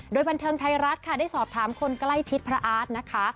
โดยบันเทิงไทยรัฐค่ะได้สอบถามคนใกล้ชิดพระอาร์ตนะคะ